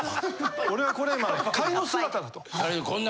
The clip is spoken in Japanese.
俺はこれ今は仮の姿だと。